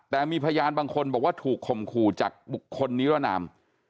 แต่มีพยานบางคนบอกว่าถูกข่มขู่จากบุคคลนิรนาม